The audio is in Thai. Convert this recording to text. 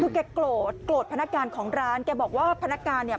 คือแกโกรธโกรธพนักงานของร้านแกบอกว่าพนักงานเนี่ย